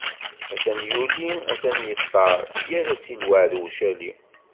Atan yuli, atan yeṭṭer, yerra-tt i lweɛd ucali.